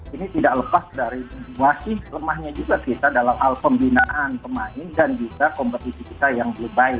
ini tidak lepas dari wasih lemahnya juga kita dalam hal pembinaan pemain dan juga kompetisi kita yang lebih baik